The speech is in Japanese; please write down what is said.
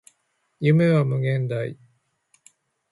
夢は無限大